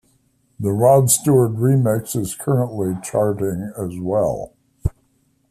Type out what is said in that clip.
The Rod Stewart remix is currently charting as well.